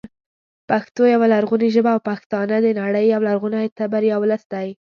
پښتو يوه لرغونې ژبه او پښتانه د نړۍ یو لرغونی تبر یا ولس دی